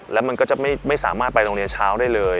แล้วมันก็จะไม่สามารถไปโรงเรียนเช้าได้เลย